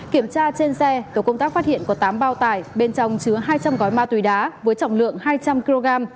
kiểm tra trên xe tổ công tác phát hiện có tám bao tải bên trong chứa hai trăm linh gói ma túy đá với trọng lượng hai trăm linh kg